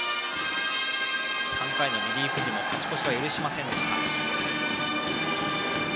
３回のリリーフ陣も勝ち越しは許しませんでした。